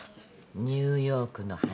ニューヨークの話。